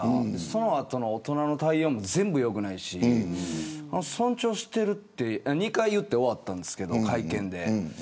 その後の大人の対応も全部よくないし尊重していると２回言って終わったんですけど、会見で。